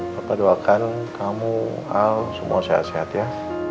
bapak doakan kamu al semua sehat sehat ya